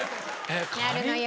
なるのよ。